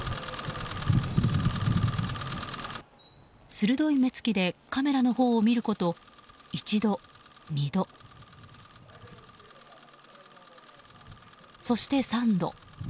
鋭い目つきでカメラのほうを見ること１度、２度、そして３度。